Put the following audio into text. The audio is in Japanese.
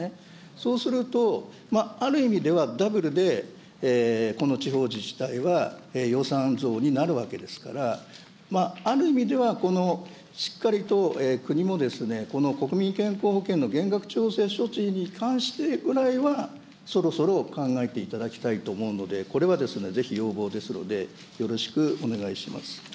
そうすると、ある意味では、ダブルでこの地方自治体は、予算増になるわけですから、ある意味では、しっかりと国もこの国民健康保険の減額調整措置に関してぐらいはそろそろ考えていただきたいと思うので、これはぜひ要望ですので、よろしくお願いします。